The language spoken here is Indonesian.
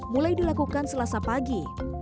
mulai dilakukan selasa pagi